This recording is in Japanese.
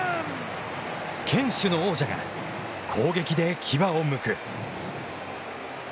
堅守の王者が、攻撃で牙をむく。